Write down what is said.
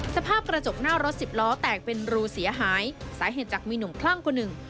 สภาพกระจกหน้ารถสิบล้อแตกเป็นรูเสียหายสาเหตุจากมีหนุ่มคลั่งคนหนึ่ง